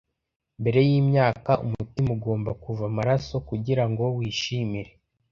Mbere yimyaka umutima ugomba kuva amaraso kugirango wishimire